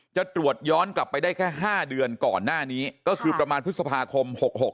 จะตรวจย้อนกลับไปได้แค่๕เดือนก่อนหน้านี้ก็คือประมาณพฤษภาคม๖๖